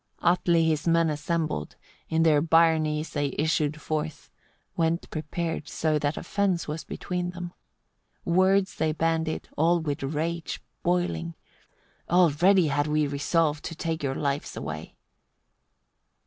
40. Atli his men assembled, in their byrnies they issued forth, went prepared so that a fence was between them. Words they bandied, all with rage boiling: "Already had we resolved to take your lives away."